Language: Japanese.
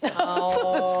そうですか。